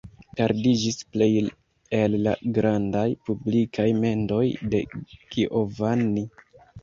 Perdiĝis plej el la grandaj publikaj mendoj de Giovanni.